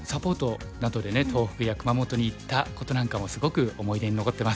東北や熊本に行ったことなんかもすごく思い出に残ってます。